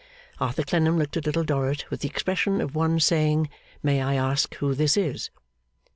Arthur Clennam looked at Little Dorrit with the expression of one saying, 'May I ask who this is?